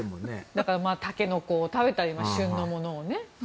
だからタケノコを食べたり旬のものをね。